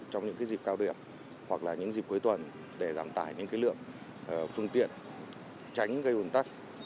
trong những dịp cao điểm hoặc là những dịp cuối tuần để giảm tải những lượng phương tiện tránh gây ồn tắc